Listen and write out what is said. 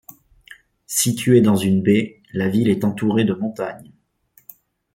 Située dans une baie, la ville est entourée de montagnes.